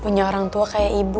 punya orang tua kayak ibu